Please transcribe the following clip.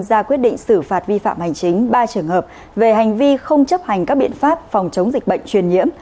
ra quyết định xử phạt vi phạm hành chính ba trường hợp về hành vi không chấp hành các biện pháp phòng chống dịch bệnh truyền nhiễm